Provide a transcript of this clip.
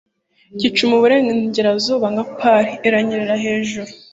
Igicu muburengerazuba nka pall iranyerera hejuru